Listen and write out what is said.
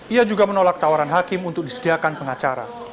ia juga menolak tawaran hakim untuk disediakan pengacara